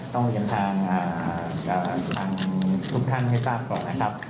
ต้องเรียนทางทุกท่านให้ทราบก่อนนะครับ